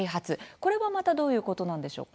これは、またどういうことなんでしょうか。